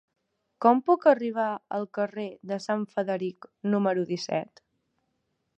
Com puc arribar al carrer de Sant Frederic número disset?